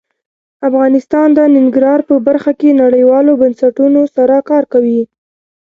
افغانستان د ننګرهار په برخه کې نړیوالو بنسټونو سره کار کوي.